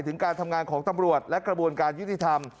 ถึงการทำงานของตำรวจและกระบวนการยุติธรรม